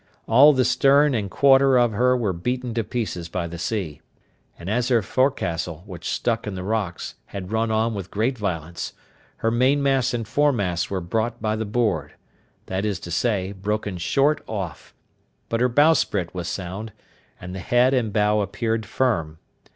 All the stern and quarter of her were beaten to pieces by the sea; and as her forecastle, which stuck in the rocks, had run on with great violence, her mainmast and foremast were brought by the board—that is to say, broken short off; but her bowsprit was sound, and the head and bow appeared firm.